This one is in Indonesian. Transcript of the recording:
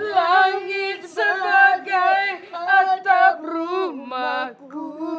langit sebagai atap rumahku